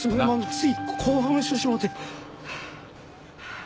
つい興奮してしもうてはあはあ。